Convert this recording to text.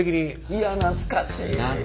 いや懐かしい。